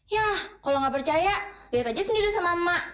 yah kalau gak percaya lihat aja sendiri sama emak